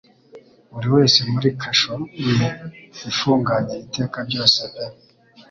Buri wese muri kasho ye ifunganye iteka ryose pe